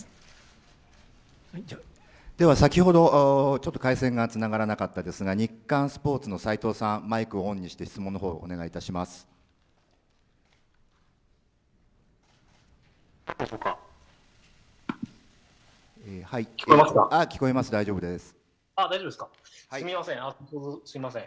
では先ほど、ちょっと回線がつながらなかったですが、日刊スポーツのさいとうさん、マイクをオンにして質問のほうをお聞こえますか。